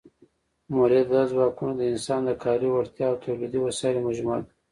مؤلده ځواکونه د انسان د کاري وړتیا او تولیدي وسایلو مجموعه ده.